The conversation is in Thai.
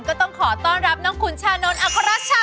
ก็ต้องขอต้อนรับน้องขุนชานนทอัครชา